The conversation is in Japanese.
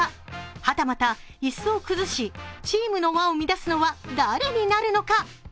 はたまた椅子を崩しチームの輪を乱すのは誰になるのか？